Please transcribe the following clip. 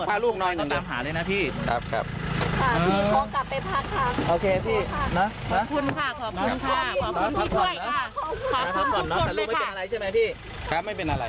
พาลูกไม่เป็นอะไรใช่ไหมพี่